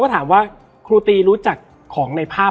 และวันนี้แขกรับเชิญที่จะมาเชิญที่เรา